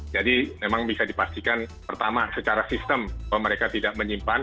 jadi memang bisa dipastikan pertama secara sistem bahwa mereka tidak menyimpan